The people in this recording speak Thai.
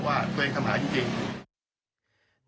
ว่าตัวเองทำหายจริง